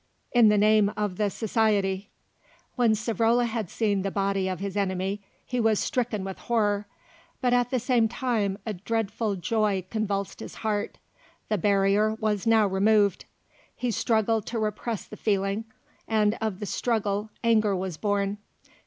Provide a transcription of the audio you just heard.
"In the name of the Society." When Savrola had seen the body of his enemy, he was stricken with horror, but at the same time a dreadful joy convulsed his heart; the barrier was now removed. He struggled to repress the feeling, and of the struggle anger was born.